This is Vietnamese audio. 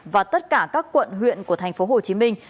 và tất cả các quận huyện của thành phố hồ chí minh